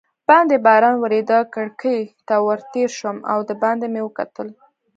باندې باران ورېده، کړکۍ ته ور تېر شوم او دباندې مې وکتل.